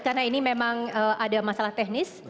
karena ini memang ada masalah teknis